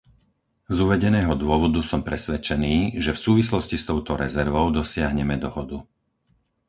Z uvedeného dôvodu som presvedčený, že v súvislosti s touto rezervou dosiahneme dohodu.